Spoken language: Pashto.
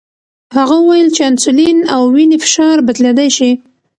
هغه وویل چې انسولین او وینې فشار بدلیدلی شي.